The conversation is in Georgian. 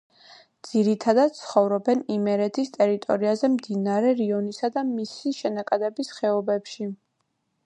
ძირითადად ცხოვრობენ იმერეთის ტერიტორიაზე, მდინარე რიონისა და მისი შენაკადების ხეობებში.